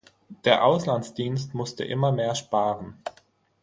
Der Auslandsdienst musste immer mehr sparen.